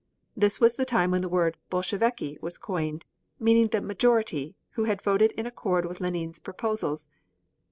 This was the time when the word "Bolsheviki" was coined, meaning the "majority," who had voted in accord with Lenine's proposals.